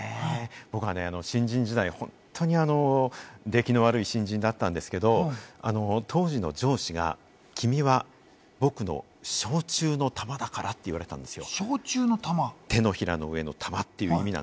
僕は新人時代、本当にできの悪い新人だったんですけど、当時の上司が、君は僕の掌中のたまだからって言われたんですよ。